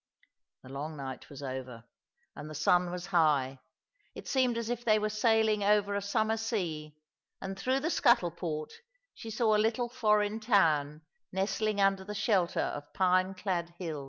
The long night was over ; and the sun was high. It seemed as if they were sailing over a summer sea, and through the scuttle port she saw a little foreign town nestling under the shelter of pine clad hills.